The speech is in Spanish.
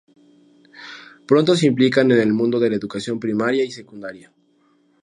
Pronto se implican en el mundo de la educación primaria y secundaria.